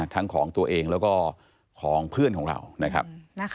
ของตัวเองแล้วก็ของเพื่อนของเรานะครับ